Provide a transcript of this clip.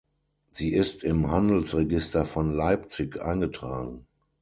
Sie ist im Handelsregister von Leipzig eingetragen.